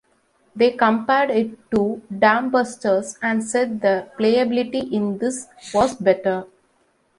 They compared it to "Dambusters" and said the playability in this was better.